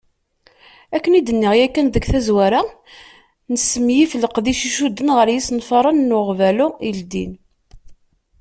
Akken i d-nniɣ yakan deg tazwara, nesmenyif leqdic i icudden ɣer yisenfaren n uɣbalu yeldin.